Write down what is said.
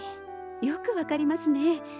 よく分かりますね。